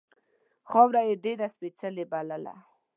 خاوره یې ډېره سپېڅلې بلله.